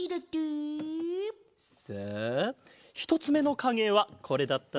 さあひとつめのかげはこれだったな。